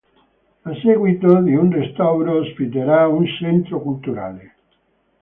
A seguito di un restauro, ospiterà un centro culturale.